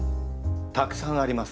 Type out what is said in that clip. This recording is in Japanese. たくさんあります。